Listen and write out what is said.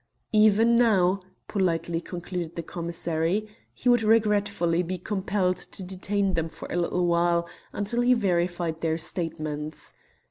Even now, politely concluded the commissary, he would regretfully be compelled to detain them for a little while, until he verified their statements.